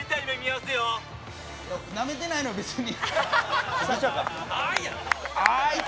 なめてないのよ、別に。